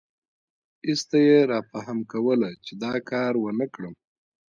ایسته یې رافهم کوله چې دا کار ونکړم.